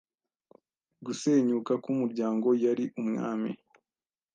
gusenyuka kumuryango yari umwami